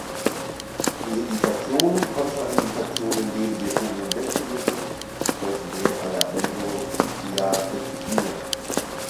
Die Indikationen, Kontraindikationen, Nebenwirkungen und Wechselwirkungen entsprechen denen aller Benzodiazepine.